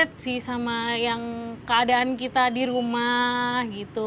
dekat sih sama yang keadaan kita di rumah gitu